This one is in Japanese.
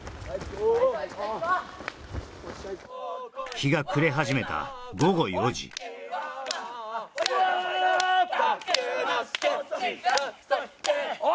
日が暮れ始めた午後４時フレー！